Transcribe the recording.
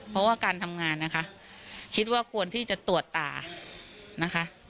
เพราะว่าการทำงานนะคะคิดว่าควรที่จะตรวจตานะคะ